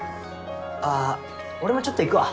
あぁ俺もちょっと行くわ。